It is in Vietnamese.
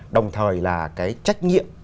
đồng thời là cái trách nhiệm